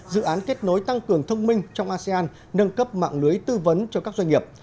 dự án kết nối tăng cường thông minh trong asean nâng cấp mạng lưới tư vấn cho các doanh nghiệp